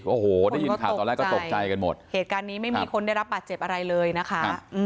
โอ้โหได้ยินข่าวตอนแรกก็ตกใจกันหมดเหตุการณ์นี้ไม่มีคนได้รับบาดเจ็บอะไรเลยนะคะ